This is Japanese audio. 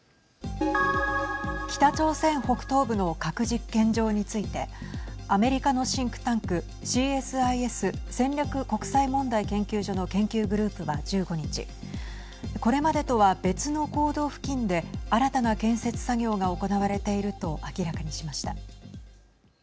北朝鮮北東部の核実験場についてアメリカのシンクタンクＣＳＩＳ＝戦略国際問題研究所の研究グループは１５日これまでとは、別の坑道付近で新たな建設作業が行われていると明らかにしました。